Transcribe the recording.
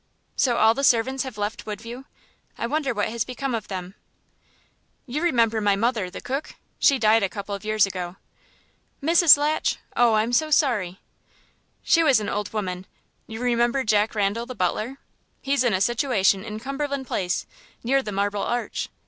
"So all the servants have left Woodview? I wonder what has become of them." "You remember my mother, the cook? She died a couple of years ago." "Mrs. Latch! Oh, I'm so sorry." "She was an old woman. You remember John Randal, the butler? He's in a situation in Cumberland Place, near the Marble Arch.